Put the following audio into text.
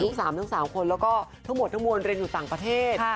คือลูกสามทั้งสามคนแล้วก็ทั้งหมดทั้งมวลเรียนอยู่ต่างประเทศ